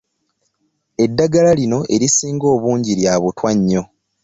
Eddagala lino erisinga obungi lya butwa nnyo.